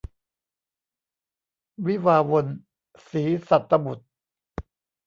วิวาห์วน - ศรีสัตตบุษย์